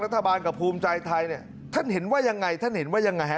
รัฐบาลกับภูมิใจไทยเนี่ยท่านเห็นว่ายังไงท่านเห็นว่ายังไงฮะ